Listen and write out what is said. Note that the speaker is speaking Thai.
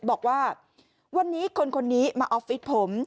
บอกว่าวันนี้คนนี้มาออฟฟิศผม